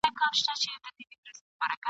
زه مي خپل جنون له هر کاروان څخه شړلی یم ..